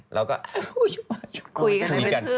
แล้วก็คุยกัน